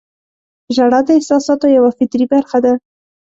• ژړا د احساساتو یوه فطري برخه ده.